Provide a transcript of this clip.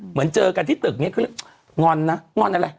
เหมือนเจอกันที่ตึกนี้คืองอนนะงอนอะไร